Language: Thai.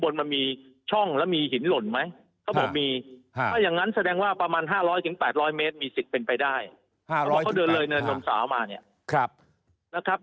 ข้างบนมีช่องและมีหินหล่นไหม